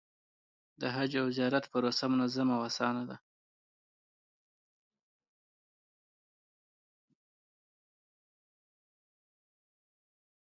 د حج او زیارت پروسه منظمه او اسانه وي.